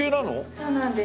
そうなんです。